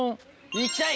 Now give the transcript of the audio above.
いきたい！